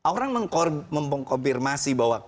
orang mengkonfirmasi bahwa